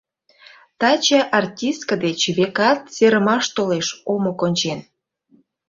Таче артистке деч, векат, серымаш толеш, омо кончен.